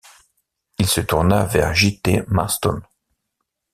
Il se tourna vers J. -T. Maston.